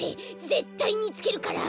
ぜったいみつけるから。